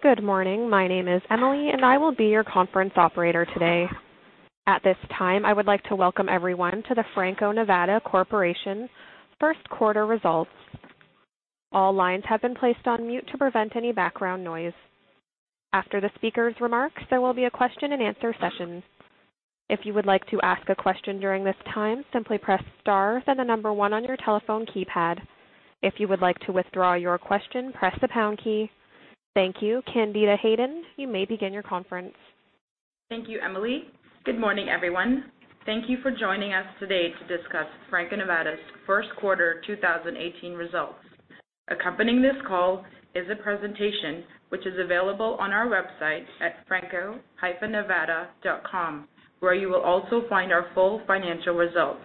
Good morning. My name is Emily, and I will be your conference operator today. At this time, I would like to welcome everyone to the Franco-Nevada Corporation first quarter results. All lines have been placed on mute to prevent any background noise. After the speaker's remarks, there will be a question and answer session. If you would like to ask a question during this time, simply press star, then number 1 on your telephone keypad. If you would like to withdraw your question, press the pound key. Thank you. Candida Hayden, you may begin your conference. Thank you, Emily. Good morning, everyone. Thank you for joining us today to discuss Franco-Nevada's first quarter 2018 results. Accompanying this call is a presentation which is available on our website at franco-nevada.com, where you will also find our full financial results.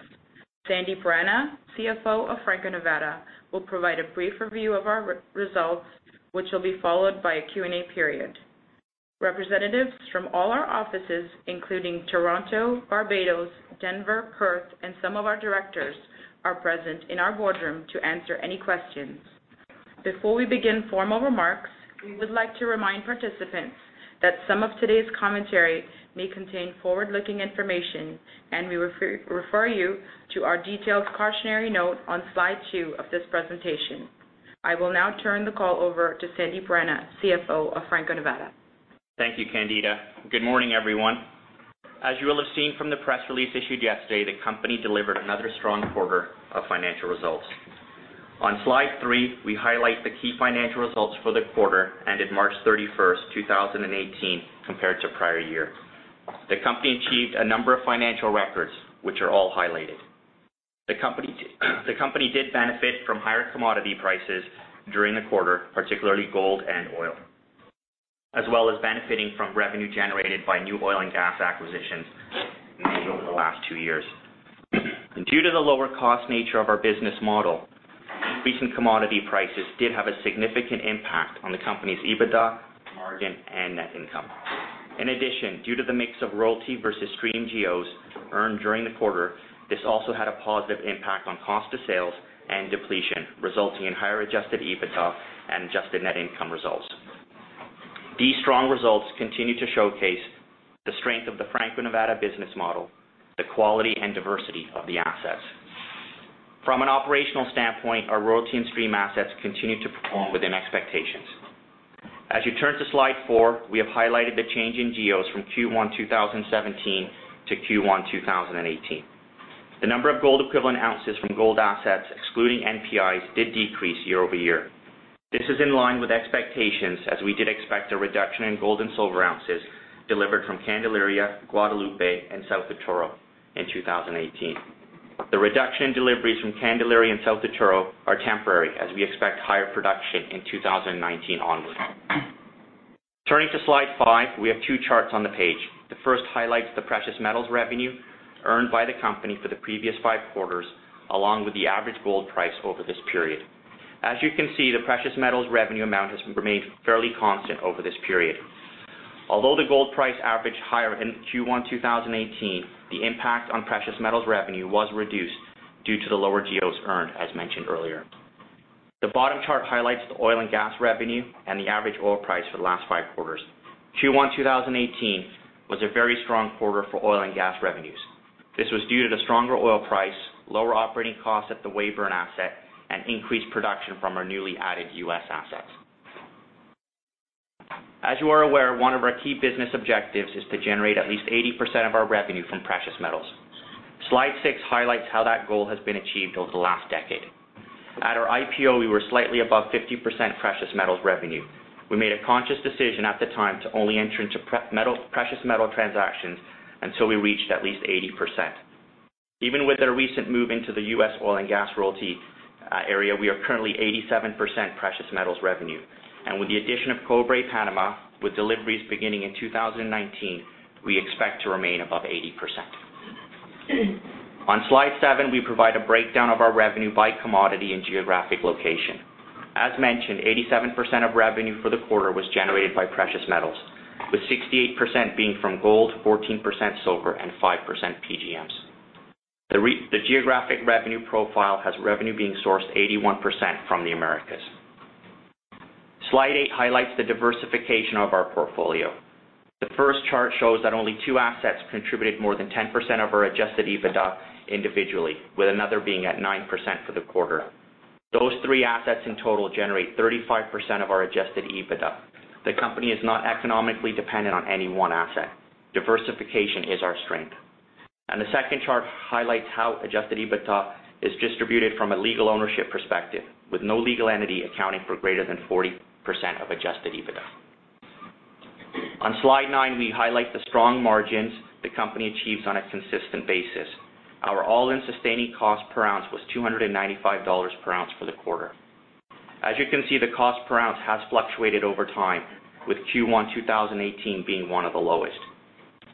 Sandip Rana, CFO of Franco-Nevada, will provide a brief review of our results, which will be followed by a Q&A period. Representatives from all our offices, including Toronto, Barbados, Denver, Perth, and some of our directors are present in our boardroom to answer any questions. Before we begin formal remarks, we would like to remind participants that some of today's commentary may contain forward-looking information. We refer you to our detailed cautionary note on slide two of this presentation. I will now turn the call over to Sandip Rana, CFO of Franco-Nevada. Thank you, Candida. Good morning, everyone. As you will have seen from the press release issued yesterday, the company delivered another strong quarter of financial results. On slide three, we highlight the key financial results for the quarter ended March 31st, 2018, compared to prior year. The company achieved a number of financial records, which are all highlighted. The company did benefit from higher commodity prices during the quarter, particularly gold and oil, as well as benefiting from revenue generated by new oil and gas acquisitions made over the last two years. Due to the lower cost nature of our business model, recent commodity prices did have a significant impact on the company's EBITDA, margin and net income. In addition, due to the mix of royalty versus streaming GEOs earned during the quarter, this also had a positive impact on cost of sales and depletion, resulting in higher adjusted EBITDA and adjusted net income results. These strong results continue to showcase the strength of the Franco-Nevada business model, the quality and diversity of the assets. From an operational standpoint, our royalty and stream assets continued to perform within expectations. As you turn to slide four, we have highlighted the change in GEOs from Q1 2017 to Q1 2018. The number of gold equivalent ounces from gold assets, excluding NPIs, did decrease year-over-year. This is in line with expectations, as we did expect a reduction in gold and silver ounces delivered from Candelaria, Guadalupe and El Futuro in 2018. The reduction in deliveries from Candelaria and El Futuro are temporary, as we expect higher production in 2019 onwards. Turning to slide five, we have two charts on the page. The first highlights the precious metals revenue earned by the company for the previous five quarters, along with the average gold price over this period. As you can see, the precious metals revenue amount has remained fairly constant over this period. Although the gold price averaged higher in Q1 2018, the impact on precious metals revenue was reduced due to the lower GEOs earned, as mentioned earlier. The bottom chart highlights the oil and gas revenue and the average oil price for the last five quarters. Q1 2018 was a very strong quarter for oil and gas revenues. This was due to the stronger oil price, lower operating costs at the Weyburn asset, and increased production from our newly added U.S. assets. As you are aware, one of our key business objectives is to generate at least 80% of our revenue from precious metals. Slide six highlights how that goal has been achieved over the last decade. At our IPO, we were slightly above 50% precious metals revenue. We made a conscious decision at the time to only enter into precious metal transactions until we reached at least 80%. Even with our recent move into the U.S. oil and gas royalty area, we are currently 87% precious metals revenue. With the addition of Cobre Panama, with deliveries beginning in 2019, we expect to remain above 80%. On slide seven, we provide a breakdown of our revenue by commodity and geographic location. As mentioned, 87% of revenue for the quarter was generated by precious metals, with 68% being from gold, 14% silver and 5% PGMs. The geographic revenue profile has revenue being sourced 81% from the Americas. Slide eight highlights the diversification of our portfolio. The first chart shows that only two assets contributed more than 10% of our adjusted EBITDA individually, with another being at 9% for the quarter. Those three assets in total generate 35% of our adjusted EBITDA. The company is not economically dependent on any one asset. Diversification is our strength. The second chart highlights how adjusted EBITDA is distributed from a legal ownership perspective, with no legal entity accounting for greater than 40% of adjusted EBITDA. On slide nine, we highlight the strong margins the company achieves on a consistent basis. Our all-in sustaining cost per ounce was $295 per ounce for the quarter. As you can see, the cost per ounce has fluctuated over time, with Q1 2018 being one of the lowest.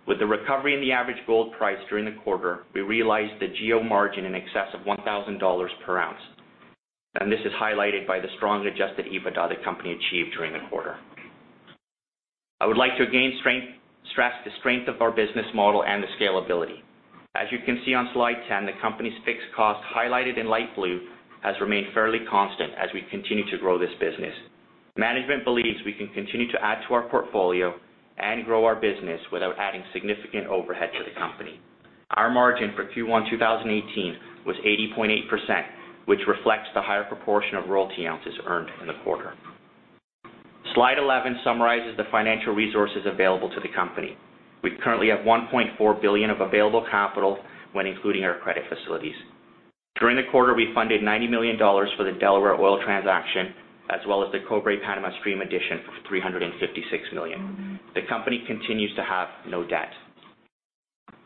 With the recovery in the average gold price during the quarter, we realized the GEO margin in excess of $1,000 per ounce, and this is highlighted by the strong adjusted EBITDA the company achieved during the quarter. I would like to again stress the strength of our business model and the scalability. As you can see on slide 10, the company's fixed cost, highlighted in light blue, has remained fairly constant as we continue to grow this business. Management believes we can continue to add to our portfolio and grow our business without adding significant overhead to the company. Our margin for Q1 2018 was 80.8%, which reflects the higher proportion of royalty ounces earned in the quarter. Slide 11 summarizes the financial resources available to the company. We currently have $1.4 billion of available capital when including our credit facilities. During the quarter, we funded $90 million for the Delaware Oil transaction, as well as the Cobre Panama stream addition of $356 million. The company continues to have no debt.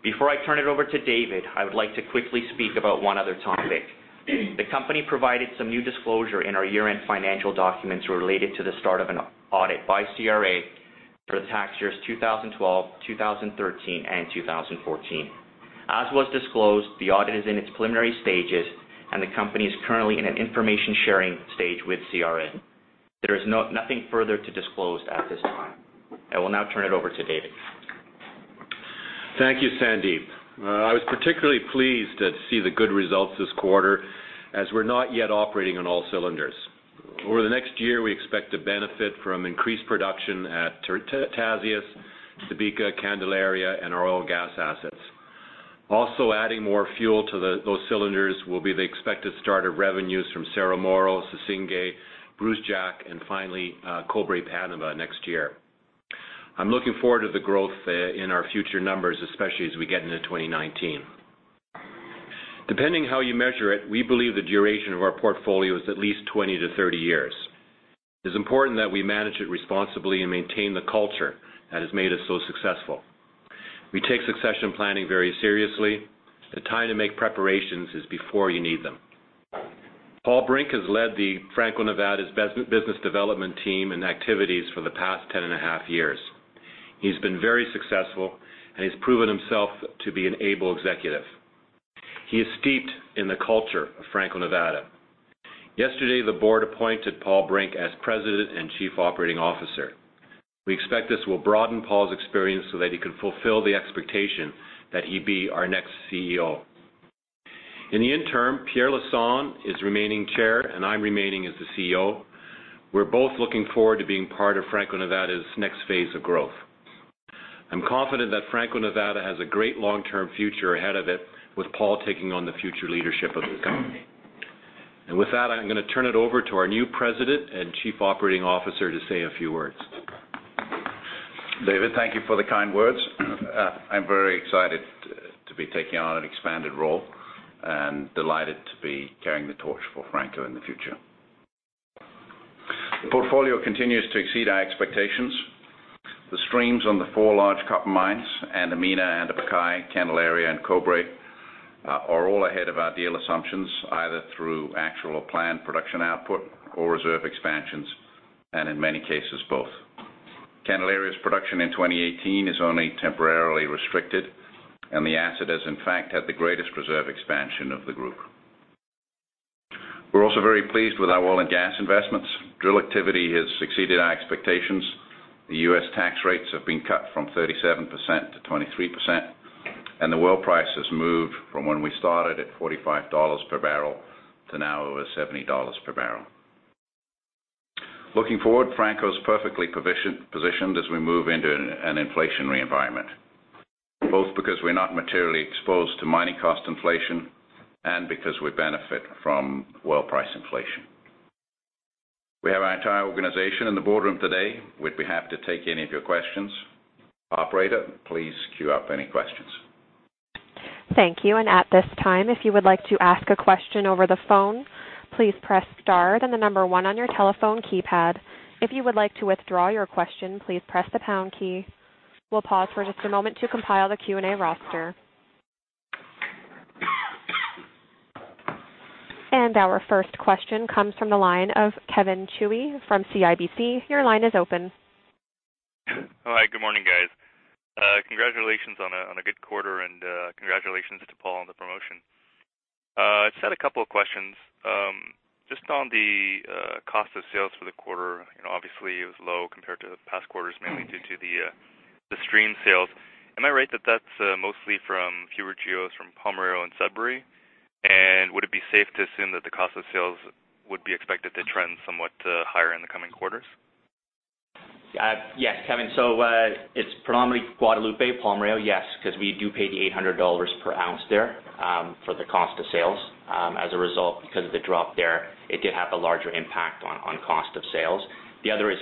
Before I turn it over to David, I would like to quickly speak about one other topic. The company provided some new disclosure in our year-end financial documents related to the start of an audit by CRA for the tax years 2012, 2013, and 2014. As was disclosed, the audit is in its preliminary stages, and the company is currently in an information-sharing stage with CRA. There is nothing further to disclose at this time. I will now turn it over to David. Thank you, Sandip. I was particularly pleased to see the good results this quarter as we're not yet operating on all cylinders. Over the next year, we expect to benefit from increased production at Tasiast, Subika, Candelaria, and our oil and gas assets. Also adding more fuel to those cylinders will be the expected start of revenues from Cerro Moro, Sissingué, Brucejack, and finally Cobre Panama next year. I'm looking forward to the growth in our future numbers, especially as we get into 2019. Depending how you measure it, we believe the duration of our portfolio is at least 20 to 30 years. It's important that we manage it responsibly and maintain the culture that has made us so successful. We take succession planning very seriously. The time to make preparations is before you need them. Paul Brink has led Franco-Nevada's business development team and activities for the past 10 and a half years. He's been very successful, and he's proven himself to be an able executive. He is steeped in the culture of Franco-Nevada. Yesterday, the board appointed Paul Brink as President and Chief Operating Officer. We expect this will broaden Paul's experience so that he can fulfill the expectation that he be our next CEO. In the interim, Pierre Lassonde is remaining Chair, and I'm remaining as the CEO. We're both looking forward to being part of Franco-Nevada's next phase of growth. I'm confident that Franco-Nevada has a great long-term future ahead of it with Paul taking on the future leadership of the company. With that, I'm going to turn it over to our new President and Chief Operating Officer to say a few words. David, thank you for the kind words. I'm very excited to be taking on an expanded role and delighted to be carrying the torch for Franco in the future. The portfolio continues to exceed our expectations. The streams on the four large copper mines, Antamina, Candelaria, and Cobre, are all ahead of our deal assumptions, either through actual or planned production output or reserve expansions, and in many cases, both. Candelaria's production in 2018 is only temporarily restricted, and the asset has in fact had the greatest reserve expansion of the group. We're also very pleased with our oil and gas investments. Drill activity has exceeded our expectations. The U.S. tax rates have been cut from 37% to 23%, and the oil price has moved from when we started at $45 per barrel to now over $70 per barrel. Looking forward, Franco's perfectly positioned as we move into an inflationary environment, both because we're not materially exposed to mining cost inflation and because we benefit from oil price inflation. We have our entire organization in the boardroom today. We'd be happy to take any of your questions. Operator, please queue up any questions. Thank you. At this time, if you would like to ask a question over the phone, please press star, then the number 1 on your telephone keypad. If you would like to withdraw your question, please press the pound key. We'll pause for just a moment to compile the Q&A roster. Our first question comes from the line of Cosmos Chiu from CIBC. Your line is open. Hi, good morning, guys. Congratulations on a good quarter, and congratulations to Paul on the promotion. I just had a couple of questions. Just on the cost of sales for the quarter, obviously it was low compared to the past quarters, mainly due to the stream sales. Am I right that that's mostly from fewer GEOs from Palmarejo and Sudbury? Would it be safe to assume that the cost of sales would be expected to trend somewhat higher in the coming quarters? Yes, Cosmos. It's predominantly Guadalupe, Palmarejo, yes, because we do pay the $800 per ounce there for the cost of sales. As a result, because of the drop there, it did have a larger impact on cost of sales. The other is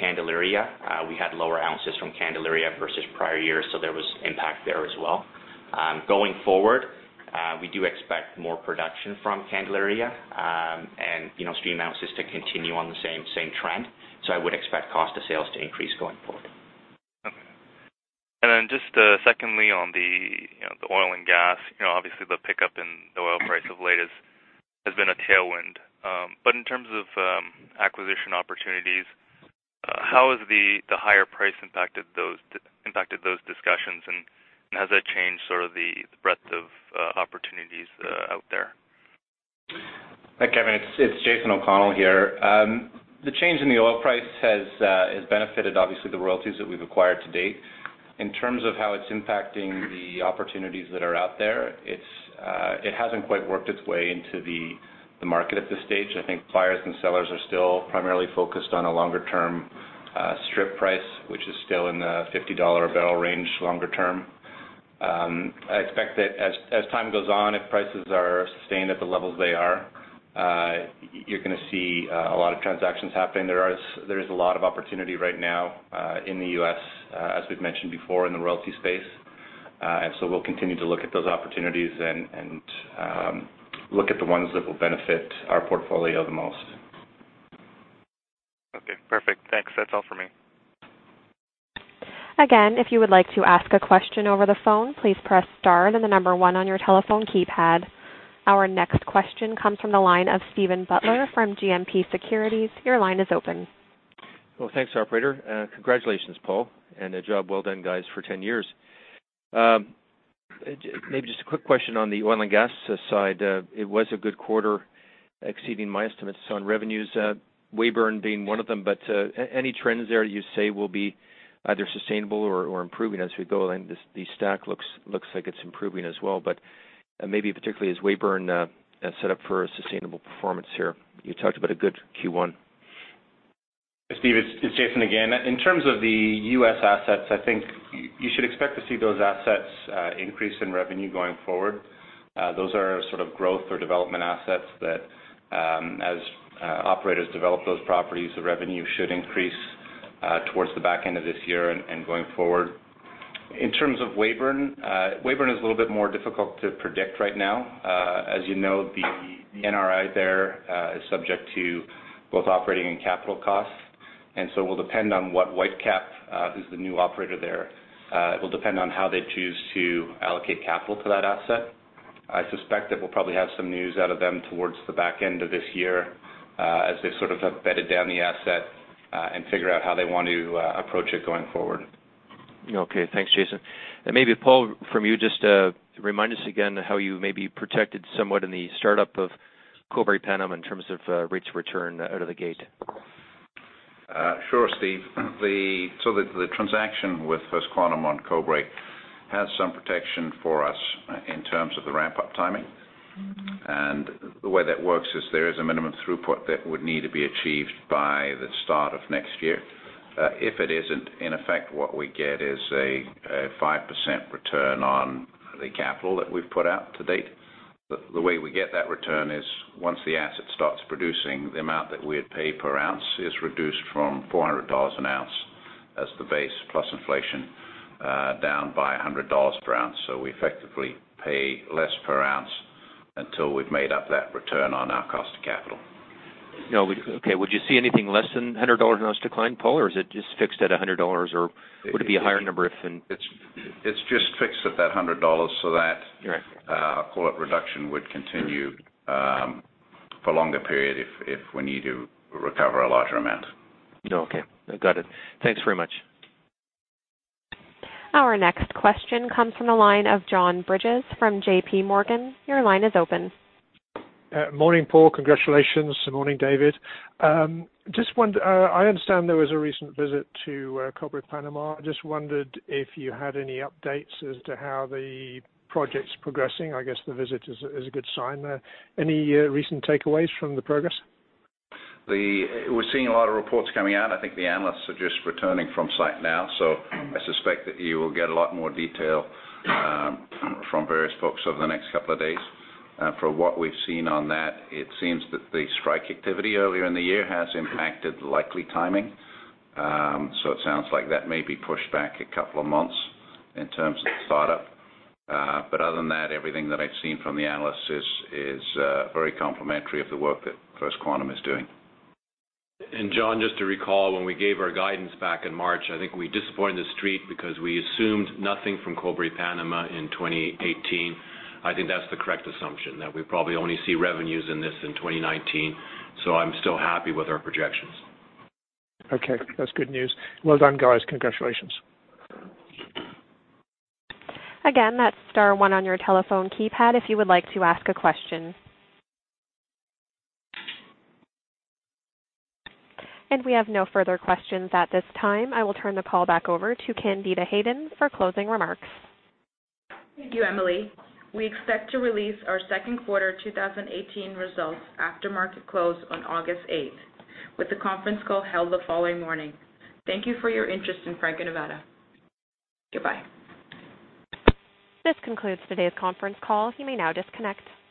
Candelaria. We had lower ounces from Candelaria versus prior years, so there was impact there as well. Going forward, we do expect more production from Candelaria and stream ounces to continue on the same trend. I would expect cost of sales to increase going forward. Secondly on the oil and gas, obviously the pickup in the oil price of late has been a tailwind. In terms of acquisition opportunities, how has the higher price impacted those discussions, and has that changed sort of the breadth of opportunities out there? Hi, Kevin. It's Jason O'Connell here. The change in the oil price has benefited, obviously, the royalties that we've acquired to date. In terms of how it's impacting the opportunities that are out there, it hasn't quite worked its way into the market at this stage. I think buyers and sellers are still primarily focused on a longer-term strip price, which is still in the $50 a barrel range longer term. I expect that as time goes on, if prices are sustained at the levels they are, you're going to see a lot of transactions happening. There is a lot of opportunity right now in the U.S., as we've mentioned before, in the royalty space. We'll continue to look at those opportunities and look at the ones that will benefit our portfolio the most. Okay, perfect. Thanks. That's all for me. Again, if you would like to ask a question over the phone, please press star, then the number one on your telephone keypad. Our next question comes from the line of Steven Butler from GMP Securities. Your line is open. Well, thanks, operator. Congratulations, Paul, and a job well done, guys, for 10 years. Maybe just a quick question on the oil and gas side. It was a good quarter, exceeding my estimates on revenues, Weyburn being one of them. Any trends there you say will be either sustainable or improving as we go? The STACK looks like it's improving as well, but maybe particularly as Weyburn set up for a sustainable performance here. You talked about a good Q1. Steve, it's Jason again. In terms of the U.S. assets, I think you should expect to see those assets increase in revenue going forward. Those are sort of growth or development assets that, as operators develop those properties, the revenue should increase towards the back end of this year and going forward. In terms of Weyburn is a little bit more difficult to predict right now. As you know, the NRI there is subject to both operating and capital costs, and so it will depend on what Whitecap, who's the new operator there, it will depend on how they choose to allocate capital to that asset. I suspect that we'll probably have some news out of them towards the back end of this year as they sort of have bedded down the asset and figure out how they want to approach it going forward. Okay. Thanks, Jason. Maybe Paul, from you, just remind us again how you maybe protected somewhat in the startup of Cobre Panama in terms of rates of return out of the gate. Sure, Steve. The transaction with First Quantum on Cobre has some protection for us in terms of the ramp-up timing. The way that works is there is a minimum throughput that would need to be achieved by the start of next year. If it isn't, in effect, what we get is a 5% return on the capital that we've put out to date. The way we get that return is once the asset starts producing, the amount that we had paid per ounce is reduced from $400 an ounce as the base, plus inflation, down by $100 per ounce. We effectively pay less per ounce until we've made up that return on our cost of capital. Okay. Would you see anything less than $100 an ounce decline, Paul, or is it just fixed at $100, or would it be a higher number if and- It's just fixed at that $100 so that- Right I'll call it reduction would continue for longer period if we need to recover a larger amount. Okay, got it. Thanks very much. Our next question comes from the line of John Bridges from J.P. Morgan. Your line is open. Morning, Paul. Congratulations. Morning, David. I understand there was a recent visit to Cobre Panama. I just wondered if you had any updates as to how the project's progressing. I guess the visit is a good sign there. Any recent takeaways from the progress? We're seeing a lot of reports coming out. I think the analysts are just returning from site now, so I suspect that you will get a lot more detail from various folks over the next couple of days. From what we've seen on that, it seems that the strike activity earlier in the year has impacted likely timing. It sounds like that may be pushed back a couple of months in terms of the startup. Other than that, everything that I've seen from the analysts is very complimentary of the work that First Quantum is doing. John, just to recall, when we gave our guidance back in March, I think we disappointed the Street because we assumed nothing from Cobre Panama in 2018. I think that's the correct assumption, that we probably only see revenues in this in 2019. I'm still happy with our projections. Okay, that's good news. Well done, guys. Congratulations. That's star one on your telephone keypad if you would like to ask a question. We have no further questions at this time. I will turn the call back over to Candida Hayden for closing remarks. Thank you, Emily. We expect to release our second quarter 2018 results after market close on August eighth, with the conference call held the following morning. Thank you for your interest in Franco-Nevada. Goodbye. This concludes today's conference call. You may now disconnect.